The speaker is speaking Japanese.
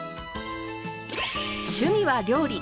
趣味は料理。